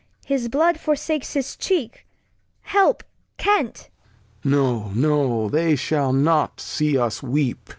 his Blood forsakes his Cheek, Help, Kent. Lear. No, no, they shaU not see us weep.